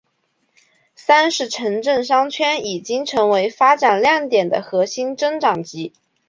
三是城镇商圈已经成为发展亮点和核心增长极。